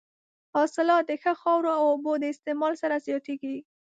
حاصلات د ښه خاورو او اوبو د استعمال سره زیاتېږي.